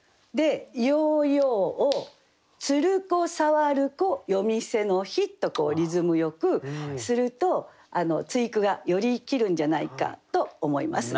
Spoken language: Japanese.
「ヨーヨーを釣る子触る子夜店の灯」とこうリズムよくすると対句がより生きるんじゃないかと思います。